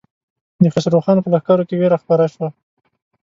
د خسرو خان په لښکر کې وېره خپره شوه.